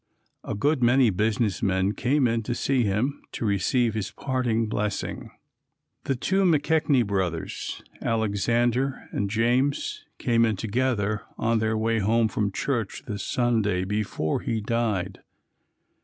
A good many business men came in to see him to receive his parting blessing. The two McKechnie brothers, Alexander and James, came in together on their way home from church the Sunday before he died.